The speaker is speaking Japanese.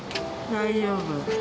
大丈夫。